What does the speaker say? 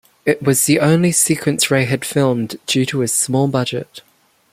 It was the only sequence Ray had filmed due to his small budget.